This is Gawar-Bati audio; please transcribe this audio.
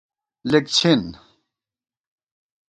لِک څِھن